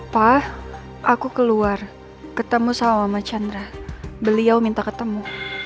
pak aku keluar ketemu sama mas chandra beliau minta ketemu